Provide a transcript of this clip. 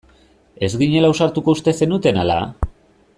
Ez ginela ausartuko uste zenuten ala?